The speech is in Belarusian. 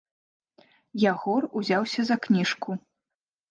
Ягор узяўся за кніжку.